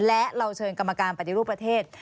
และเราเชิญกรรมการปฏิรูปประเทศ